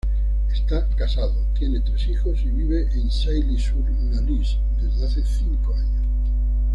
Está casado, tiene tres hijos y vive en Sailly-sur-la-Lys desde hace cinco años.